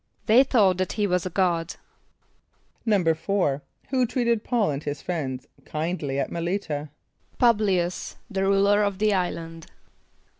=They thought that he was a god.= =4.= Who treated P[a:]ul and his friends kindly at M[)e]l´[)i] t[.a]? =P[)u]b´l[)i] [)u]s, the ruler of the island.